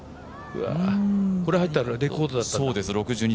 これ入ってたらレコードだったんだ。